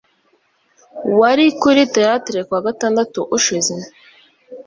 Wari kuri theatre kuwa gatandatu ushize?